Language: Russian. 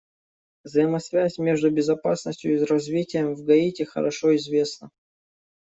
Взаимосвязь между безопасностью и развитием в Гаити хорошо известна.